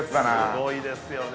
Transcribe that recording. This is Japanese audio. ◆すごいですよね。